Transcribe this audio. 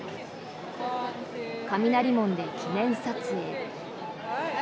雷門で記念撮影。